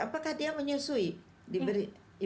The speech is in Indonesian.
apakah dia menyusui di ibu ausi